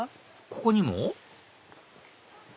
ここにも？